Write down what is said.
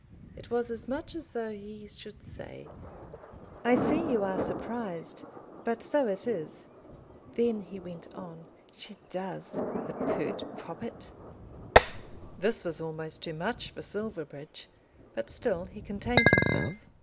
It was as much as though he should say, "I see you are surprised, but so it is." Then he went on. "She does, the pert poppet!" This was almost too much for Silverbridge; but still he contained himself.